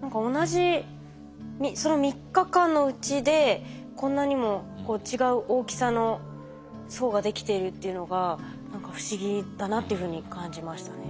何か同じその３日間のうちでこんなにも違う大きさの層ができているっていうのが何か不思議だなっていうふうに感じましたね。